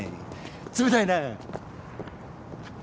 冷たいな。